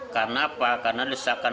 karena apa karena desakan